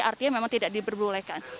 artinya memang tidak diperbolehkan